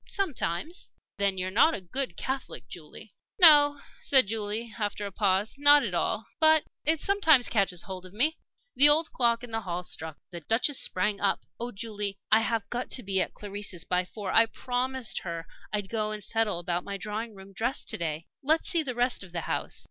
"Sometimes." "Then you're not a good Catholic, Julie?" "No," said Julie, after a pause, "not at all. But it sometimes catches hold of me." The old clock in the hall struck. The Duchess sprang up. "Oh, Julie, I have got to be at Clarisse's by four. I promised her I'd go and settle about my Drawing room dress to day. Let's see the rest of the house."